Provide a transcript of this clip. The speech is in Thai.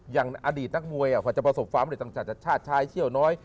อย่างอดีตนักมวยกว่าจะประสบความเร็จต่างชาติชายเชี่ยวน้อย